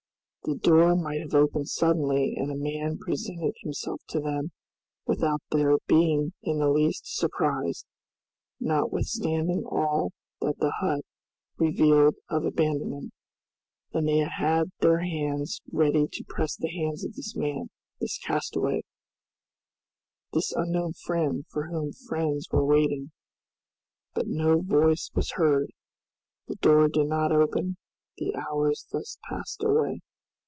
The door might have opened suddenly, and a man presented himself to them without their being in the least surprised, notwithstanding all that the hut revealed of abandonment, and they had their hands ready to press the hands of this man, this castaway, this unknown friend, for whom friends were waiting. But no voice was heard, the door did not open. The hours thus passed away.